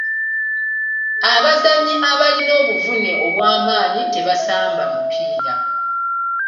Abazannyi ablina obuvune obw'amaanyi tebasamba mupiira.